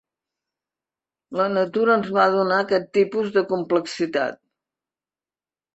La natura ens va donar aquest tipus de complexitat.